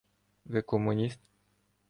Ви комуніст?